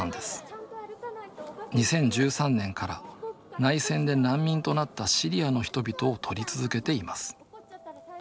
２０１３年から内戦で難民となったシリアの人々を撮り続けています。